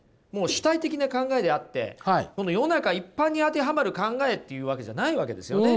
主体的な考えであって世の中一般に当てはまる考えっていうわけじゃないわけですよね。